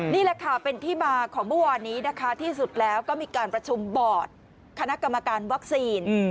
นี่แหละค่ะเป็นที่มาของเมื่อวานนี้นะคะที่สุดแล้วก็มีการประชุมบอร์ดคณะกรรมการวัคซีน